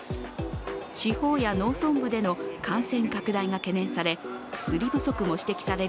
地方や農村部での感染拡大が懸念され、薬不足も指摘される